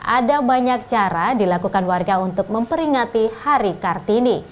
ada banyak cara dilakukan warga untuk memperingati hari kartini